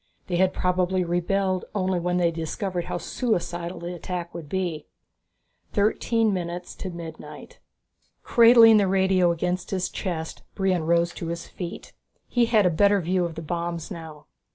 They had probably rebelled only when they had discovered how suicidal the attack would be. Thirteen minutes to midnight. Cradling the radio against his chest, Brion rose to his feet. He had a better view of the bombs now.